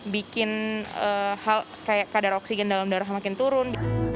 bikin hal kayak kadar oksigen dalam darah makin turun